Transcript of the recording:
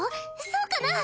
そうかな？